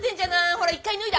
ほら一回脱いで。